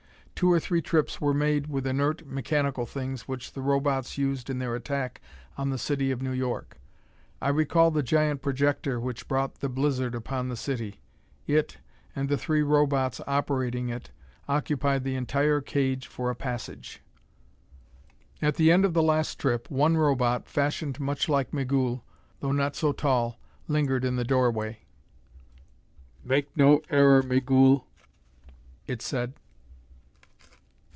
Two or three trips were made with inert mechanical things which the Robots used in their attack on the city of New York. I recall the giant projector which brought the blizzard upon the city. It, and the three Robots operating it, occupied the entire cage for a passage. At the end of the last trip, one Robot, fashioned much like Migul though not so tall, lingered in the doorway. "Make no error, Migul," it said.